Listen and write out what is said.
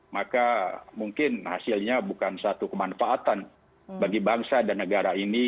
maka mungkin hasilnya bukan satu kemanfaatan bagi bangsa dan negara ini